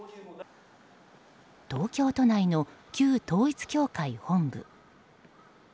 東京都内の旧統一教会本部。